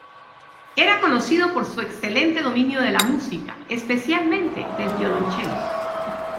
Era conocido por su excelente dominio de la música, especialmente del violoncelo.